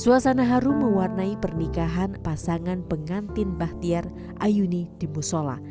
suasana harum mewarnai pernikahan pasangan pengantin bahtiar ayuni dimusola